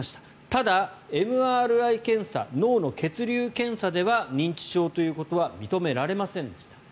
ただ、ＭＲＩ検査脳の血流検査では認知症ということは認められませんでした。